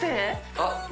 あっ。